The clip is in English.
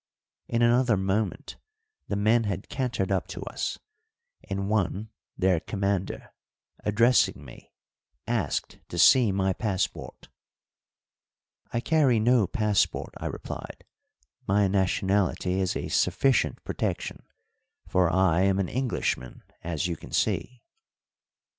In another moment the men had cantered up to us, and one, their commander, addressing me, asked to see my passport. "I carry no passport," I replied. "My nationality is a sufficient protection, for I am an Englishman as you can see."